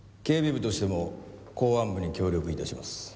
警備部としても公安部に協力致します。